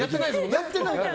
やってないから。